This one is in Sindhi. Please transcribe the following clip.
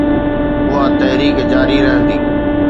اها تحريڪ جاري رهندي